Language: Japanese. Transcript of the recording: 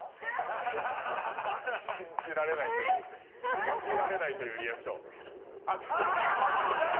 信じられないというリアクション。